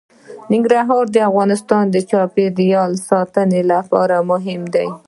ننګرهار د افغانستان د چاپیریال ساتنې لپاره مهم دي.